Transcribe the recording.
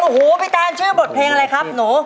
พลังหูปีแตนชื่อบทเพลงอะไรครับหนู